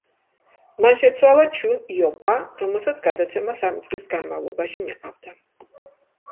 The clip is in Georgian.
მან შეცვალა ჩუნ იო პა, რომელსაც გადაცემა სამი წლის განმავლობაში მიყავდა.